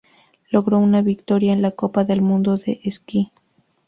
Logró una victoria en la Copa del Mundo de Esquí.